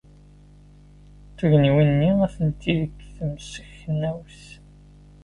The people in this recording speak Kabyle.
Tugniwin-nni atenti deg temseknewt.